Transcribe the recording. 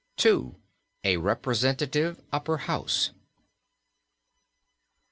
II. A REPRESENTATIVE UPPER HOUSE.